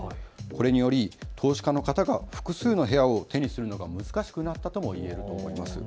これにより投資家の方が複数の部屋を手にするのが難しくなったといえます。